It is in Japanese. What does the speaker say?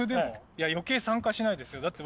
いや余計参加しないですよだって